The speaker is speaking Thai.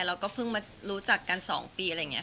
เราก็เพิ่งมารู้จักกัน๒ปีอะไรอย่างนี้